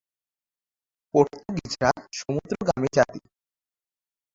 পর্তুগিজরা সমুদ্রগামী জাতি।